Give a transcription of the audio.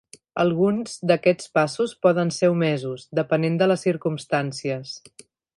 Alguns d'aquests passos poden ser omesos, depenent de les circumstàncies.